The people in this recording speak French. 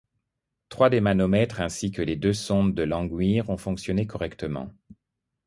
Trois des manomètres ainsi que les deux sondes de Langmuir ont fonctionné correctement.